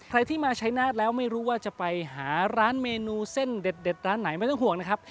ใครที่มาชัยนาฏแล้วไม่รู้ว่าจะไปหาร้านเมนูเส้นเด็ดร้านไหนไม่ต้องห่วงนะครับ